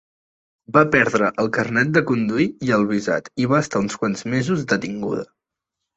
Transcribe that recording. Va perdre el carnet de conduir i el visat i va estar uns quants mesos detinguda.